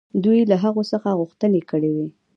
دوی له هغوی څخه غوښتنې کړې وې.